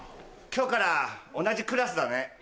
今日から同じクラスだね。